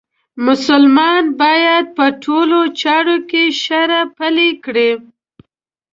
مسلمان باید په ټولو چارو کې شرعه پلې کړي.